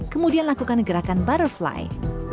kemudian lakukan gerakan butterfly